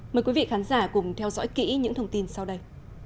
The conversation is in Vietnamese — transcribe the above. mời quý vị khán giả cùng theo dõi kỹ những thông tin sau đây